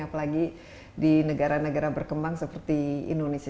apalagi di negara negara berkembang seperti indonesia